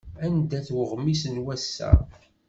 Anda-t uɣmis n wass-a?